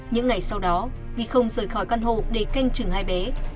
những ngày sau đó vi không rời khỏi căn hộ để canh chừng hai bé